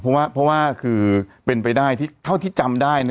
เพราะว่าเพราะว่าคือเป็นไปได้ที่เท่าที่จำได้นะ